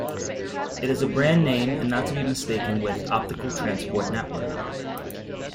It is a brand name and not to be mistaken with Optical Transport Network.